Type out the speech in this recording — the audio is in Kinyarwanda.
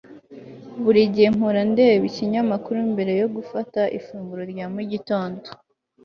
Buri gihe mpora ndeba ikinyamakuru mbere yo gufata ifunguro rya mu gitondo